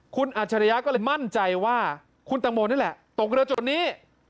คุณอัจฉริยะก็เลยมั่นใจว่าคุณตังโมนี่แหละตกเรือจุดนี้